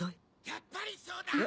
やっぱりそうだ！